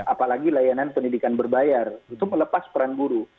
apalagi layanan pendidikan berbayar itu melepas peran guru